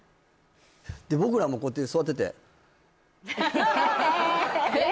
で僕らもこうやって座っててえっ？